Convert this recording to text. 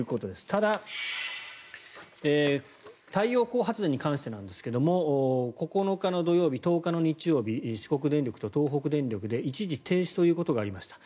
ただ、太陽光発電に関してですが９日の土曜日、１０日の日曜日四国電力で東北電力で一時停止ということがありました。